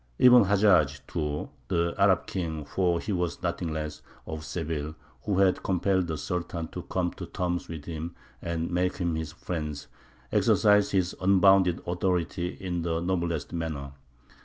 Ibn Hajjāj, too, the Arab king for he was nothing less of Seville, who had compelled the Sultan to come to terms with him and make him his friend, exercised his unbounded authority in the noblest manner.